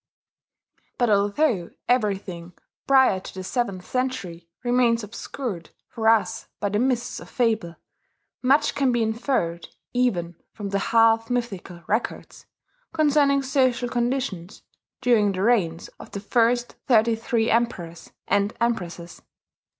But although everything prior to the seventh century remains obscured for us by the mists of fable, much can be inferred, even from the half mythical records, concerning social conditions during the reigns of the first thirty three Emperors and Empresses.